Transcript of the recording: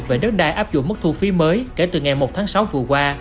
bằng quyền sử dụng đất đai áp dụng mức thu phí mới kể từ ngày một tháng sáu vừa qua